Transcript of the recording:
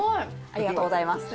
ありがとうございます。